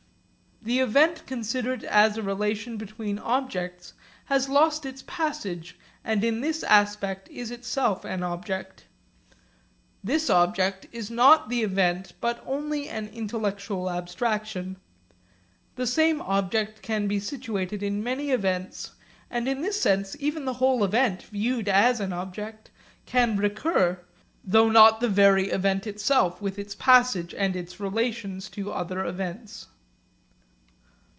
The event considered as a relation between objects has lost its passage and in this aspect is itself an object. This object is not the event but only an intellectual abstraction. The same object can be situated in many events; and in this sense even the whole event, viewed as an object, can recur, though not the very event itself with its passage and its relations to other events.